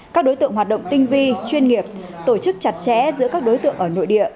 các đối tượng hoạt động tinh vi chuyên nghiệp tổ chức chặt chẽ giữa các đối tượng ở nội địa